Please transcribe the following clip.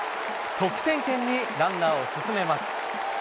得点圏にランナーを進めます。